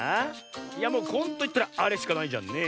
いやもう「こん」といったらあれしかないじゃんねえ。